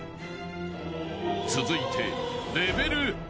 ［続いて］